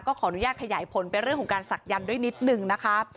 ขออนุญาตขยายผลไปเรื่องของการศักยันต์ด้วยนิดนึงนะคะ